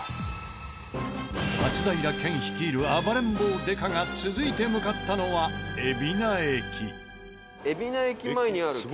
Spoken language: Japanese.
松平健率いる暴れん坊刑事が続いて向かったのは海老名駅。